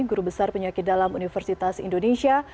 guru besar penyakit dalam universitas indonesia